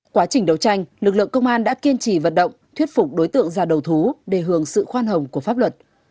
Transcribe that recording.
quá trình đấu tranh lực lượng công an đã kiên trì vận động thuyết phục đối tượng ra đầu thú để hưởng sự khoan hồng của pháp luật